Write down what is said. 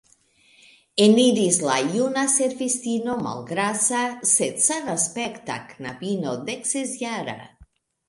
Eniris la juna servistino, malgrasa, sed sanaspekta knabino deksesjara.